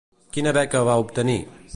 Quina beca va obtenir?